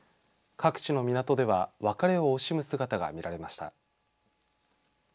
各地の港では別れを惜しむ姿が見られました。